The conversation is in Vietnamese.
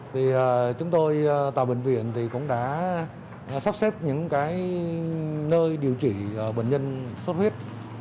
thì chúng tôi tại bệnh viện thì cũng đã sắp xếp những cái nơi điều trị bệnh nhân sốt huyết